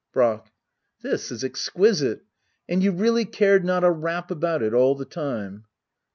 Brack. This is exquisite ! And you really cared not a rap about it all the time